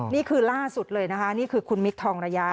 นี่คือล่าสุดเลยนะคะนี่คือคุณมิคทองระยะ